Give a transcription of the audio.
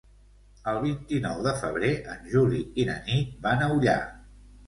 El vint-i-nou de febrer en Juli i na Nit van a Ullà.